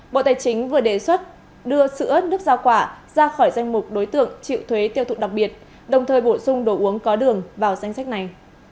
bộ tài chính vừa đề xuất đưa sữa nước giao quả ra khỏi danh mục đối tượng chịu thuế tiêu thụ đặc biệt đồng thời bổ sung đồ uống có đường vào danh sách này